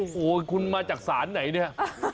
โอ้โหคุณมาจากศาลไหนเนี่ย